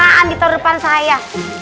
barang barang di terdepan saya